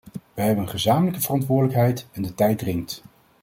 Wij hebben een gezamenlijke verantwoordelijkheid en de tijd dringt.